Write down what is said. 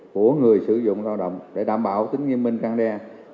của người sử dụng lao động để đảm bảo tính nghiêm minh căng đe